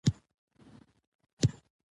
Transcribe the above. ملامت سترګي نلری .